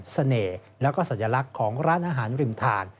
เสน่ห์แล้วก็สัญลักษณ์ของร้านอาหารริมทาง